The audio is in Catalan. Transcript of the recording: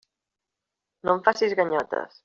No em facis ganyotes.